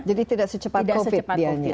jadi tidak secepat covid